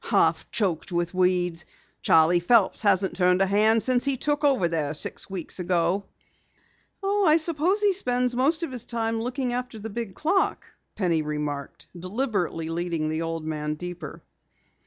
"Half choked with weeds. Charley Phelps hasn't turned a hand since he took over there six weeks ago." "I suppose he spends most of his time looking after the big clock," Penny remarked, deliberately leading the old man deeper.